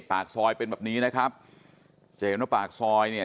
ปากซอยเป็นแบบนี้นะครับจะเห็นว่าปากซอยเนี่ย